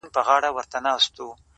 او تحليل کيږي